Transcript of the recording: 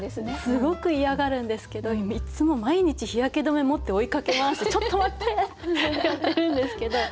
すごく嫌がるんですけどいつも毎日日焼け止め持って追いかけ回して「ちょっと待って！」ってやってるんですけど。